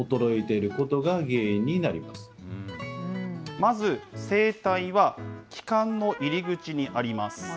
まず声帯は気管の入り口にあります。